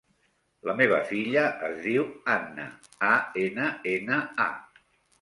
La meva filla es diu Anna: a, ena, ena, a.